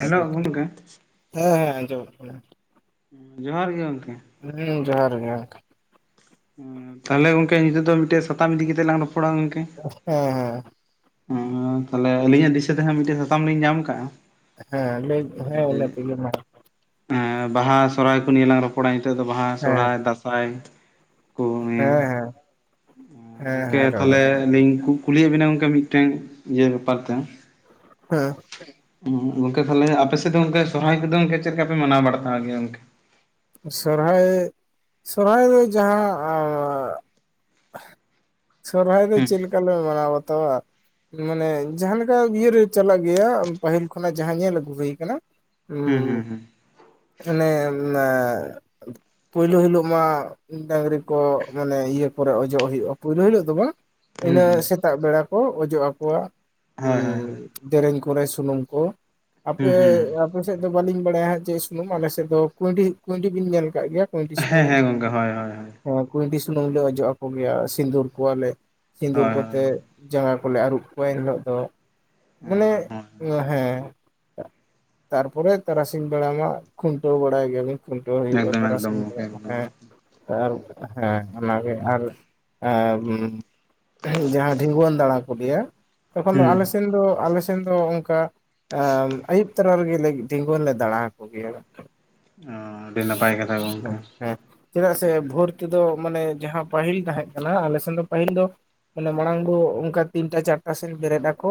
ᱦᱮᱸ ᱦᱮᱞᱳ ᱜᱚᱢᱠᱮ ᱦᱮᱸ ᱟᱸᱡᱚᱢᱚᱜ ᱠᱟᱱᱟ᱾ ᱡᱚᱦᱟᱨ ᱜᱮ ᱜᱚᱝᱠᱮ? ᱦᱩᱸ ᱡᱚᱦᱟᱨ ᱜᱮ ᱜᱚᱝᱠᱮ᱾ ᱛᱟᱦᱟᱞᱮ ᱜᱚᱝᱠᱮ ᱱᱤᱛᱚᱜ ᱫᱚ ᱢᱤᱫᱴᱮᱡ ᱥᱟᱛᱟᱢ ᱤᱫᱤ ᱠᱟᱛᱮᱜ ᱞᱟᱝ ᱨᱚᱯᱚᱲᱟ ᱜᱚᱝᱠᱮ? ᱦᱮᱸ ᱦᱮᱸ ᱛᱟᱦᱞᱮ ᱟᱹᱞᱤᱧᱟᱜ ᱫᱤᱥᱟᱹ ᱛᱮ ᱦᱟᱸᱜ ᱢᱤᱫᱴᱮᱱ ᱥᱟᱛᱟᱢ ᱞᱤᱧ ᱧᱟᱢ ᱟᱠᱟᱜᱼᱟ ᱦᱮᱸ ᱞᱟᱹᱭ ᱦᱮᱸ ᱚᱱᱟ ᱛᱮᱜᱮ ᱢᱟ᱾ ᱵᱟᱦᱟ ᱥᱚᱦᱨᱟᱭ ᱠᱚ ᱱᱤᱭᱮ ᱞᱟᱝ ᱨᱚᱯᱚᱲᱟ ᱱᱤᱛᱚᱜ ᱫᱚ ᱵᱟᱦᱟ ᱦᱮᱸ ᱥᱚᱦᱨᱟᱭ ᱫᱟᱸᱥᱟᱭ, ᱦᱚᱭ ᱦᱮᱸ ᱦᱮᱸ ᱦᱮᱸ ᱜᱚᱝᱠᱮ ᱦᱮᱸ ᱛᱟᱦᱚᱞᱮ ᱨᱚᱲ ᱟᱹᱞᱤᱧ ᱠᱩᱞᱤᱭᱮᱫ ᱵᱤᱱᱟᱹ ᱜᱟᱝᱠᱮ ᱢᱤᱫᱴᱮᱱ ᱤᱭᱟᱹ ᱵᱮᱯᱟᱨ ᱛᱮ? ᱦᱮᱸᱼᱼ ᱜᱚᱝᱠᱮ ᱛᱟᱦᱞᱮ ᱟᱯᱮ ᱥᱮᱫ ᱫᱚ ᱥᱚᱨᱦᱟᱭ ᱠᱚᱫᱚ ᱪᱮᱫ ᱞᱮᱠᱟ ᱯᱮ ᱢᱟᱱᱟᱣ ᱵᱟᱲᱟᱛᱟ ᱜᱮᱭᱟ ᱜᱚᱝᱠᱮ? ᱥᱚᱨᱦᱟᱭ ᱥᱚᱨᱦᱟᱭ ᱫᱚ ᱡᱟᱦᱟᱸ ᱥᱚᱨᱦᱟᱭ ᱫᱚ ᱪᱮᱫ ᱦᱩᱸ ᱞᱮᱠᱥ ᱞᱮ ᱢᱟᱱᱟᱣ ᱵᱟᱛᱟᱣ ᱟ ᱢᱟᱱᱮ ᱡᱟᱦᱟᱸ ᱞᱮᱠᱟ ᱤᱭᱟᱹᱨᱮ ᱪᱟᱞᱟᱜ ᱜᱮᱭᱟ ᱯᱟᱹᱦᱤᱞ ᱠᱷᱚᱱᱟᱜ ᱡᱟᱦᱟᱸ ᱧᱮᱞ ᱟᱹᱜᱩ ᱦᱩᱭ ᱟᱠᱟᱱᱟ᱾ ᱦᱩᱸ ᱦᱩᱸ ᱦᱩᱸ ᱢᱟᱱᱮ [inaudible] ᱯᱳᱭᱞᱳ ᱦᱤᱞᱳᱜ ᱢᱟ ᱰᱟᱝᱨᱤ ᱠᱚ ᱢᱟᱱᱮ ᱤᱭᱟᱹ ᱠᱚᱨᱮ ᱚᱡᱚᱜ ᱦᱳᱭᱳᱜᱼᱟ᱾ ᱯᱩᱭᱞᱳ ᱦᱤᱞᱳᱜ ᱫᱚ ᱵᱟ, ᱤᱱᱟᱹ ᱦᱩᱸ ᱥᱮᱛᱟᱜ ᱵᱮᱲᱟ ᱠᱚ ᱚᱡᱚᱜ ᱟᱠᱚᱣᱟ ᱦᱩᱸ ᱦᱩᱸ ᱦᱩᱸ ᱦᱳᱭ ᱦᱳᱭ ᱦᱳᱭ ᱾ ᱫᱮᱨᱮᱧ ᱠᱚᱨᱮ ᱥᱩᱱᱩᱢ ᱠᱚ, ᱟᱯᱮ ᱦᱩᱸ ᱦᱩᱸ ᱟᱯᱮᱥᱮᱫ ᱫᱚ ᱵᱟᱹᱞᱤᱧ ᱵᱟᱲᱟᱭᱟ ᱦᱟᱸᱜ ᱪᱮᱫ ᱥᱩᱱᱩᱢ, ᱟᱞᱮᱥᱮᱫ ᱫᱚ ᱠᱩᱸᱭᱰᱤ ᱠᱩᱸᱭᱰᱤ ᱵᱤᱱ ᱧᱮᱞ ᱟᱠᱟᱫ ᱜᱮᱭᱟ? ᱠᱩᱭᱴᱤ ᱦᱮᱸ ᱥᱩᱱᱩᱢ, ᱦᱮᱸ ᱜᱚᱝᱠᱮ ᱦᱳᱭ ᱦᱳᱭ ᱦᱳᱭ ᱱᱚᱣᱟ ᱠᱩᱭᱴᱤ ᱥᱩᱱᱩᱢ ᱞᱮ ᱚᱡᱚᱜ ᱟᱠᱚᱜᱮᱭᱟ ᱥᱤᱸᱫᱩᱨ ᱠᱚᱣᱟᱞᱮ᱾ ᱥᱤᱸᱫᱩᱨ ᱦᱳᱭ ᱦᱳᱭ ᱠᱟᱛᱮᱫ ᱡᱟᱸᱜᱟ ᱠᱚᱞᱮ ᱟᱹᱨᱩᱵ ᱠᱚᱣᱟ ᱮᱱ ᱦᱤᱞᱳᱜ ᱫᱚ᱾ ᱢᱟᱱᱮ ᱦᱮᱸ ᱦᱮᱸ, ᱛᱟᱨᱯᱚᱨᱮ ᱛᱟᱨᱟᱥᱤᱧ ᱵᱮᱲᱟ ᱢᱟ ᱠᱷᱩᱱᱴᱟᱹᱣ ᱵᱟᱲᱟᱭ ᱜᱮᱭᱟᱵᱤᱱ᱾ ᱠᱷᱩᱱᱴᱟᱹᱣ ᱦᱩᱭᱩᱜᱼᱟ ᱮᱠᱫᱚᱢ ᱮᱠᱫᱚᱢ ᱛᱟᱨᱟᱥᱤᱧ ᱜᱚᱢᱠᱮ ᱵᱮᱲᱟ ᱮᱠᱫᱚᱢ ᱦᱮᱸ, ᱟᱨ ᱦᱮᱸ ᱚᱱᱟᱜᱮ ᱟᱨ [inaudible] ᱡᱟᱦᱟᱸ ᱰᱷᱤᱸᱜᱩᱣᱟᱹᱱ ᱫᱟᱬᱟ ᱠᱚ ᱞᱟᱹᱭᱟ ᱛᱚᱠᱷᱚᱱ ᱫᱚ ᱦᱩᱸ ᱟᱞᱮ ᱥᱮᱱ ᱫᱚ ᱟᱞᱮ ᱥᱮᱱ ᱫᱚ ᱚᱝᱠᱟ ᱟᱢ ᱟᱭᱩᱵ ᱛᱟᱨᱟ ᱨᱮᱜᱮ ᱞᱟᱹᱜᱤᱫ ᱛᱤᱸᱜᱩᱱ ᱞᱮ ᱫᱟᱬᱟ ᱟᱠᱚ ᱜᱮᱭᱟ ᱾ ᱚᱻ ᱟᱹᱰᱤ ᱱᱟᱯᱟᱭ ᱠᱟᱛᱷᱟ ᱜᱚᱝᱠᱮ ᱾ ᱦᱮᱸ ᱪᱮᱫᱟᱜ ᱥᱮ ᱵᱷᱳᱨ ᱛᱮ ᱫᱚ ᱢᱟᱱᱮ ᱡᱟᱦᱟᱸ ᱯᱟᱹᱦᱤᱞ ᱛᱟᱦᱮᱸᱜ ᱠᱟᱱᱟ ᱟᱞᱮ ᱥᱮᱱ ᱫᱚ ᱯᱟᱹᱦᱤᱞ ᱫᱚ ᱢᱟᱱᱮ ᱢᱟᱲᱟᱝ ᱫᱚ ᱚᱝᱠᱟ ᱛᱤᱱᱴᱟ ᱪᱟᱨᱴᱟ ᱥᱮᱱ ᱵᱮᱨᱮᱫ ᱟᱠᱚ,